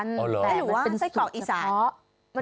องค์นี้ก็แสดงอยู่ที่หนิแต่หรือว่าไส้กรอกอีสาน